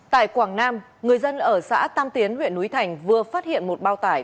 tại quảng nam người dân ở xã tam tiến huyện núi thành vừa phát hiện một bao tải